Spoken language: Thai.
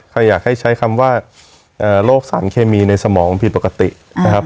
อยากให้ใช้คำว่าโรคสารเคมีในสมองผิดปกตินะครับ